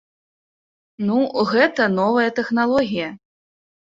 Ну, гэта новая тэхналогія.